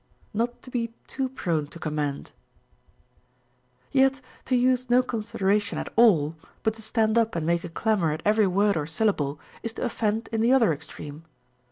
Not to he too prone to commend. Yet to use no consideration at all, but to stand up ana make a clamor at every word or syllable, is to offend in the other extreme.